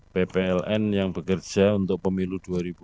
ppln yang bekerja untuk pemilu dua ribu dua puluh